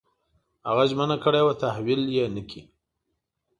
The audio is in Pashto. هغه ژمنه کړې وه تحویل یې نه کړې.